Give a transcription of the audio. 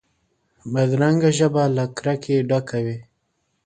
بدرنګه ژبه له کرکې ډکه وي